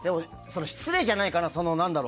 失礼じゃないかな。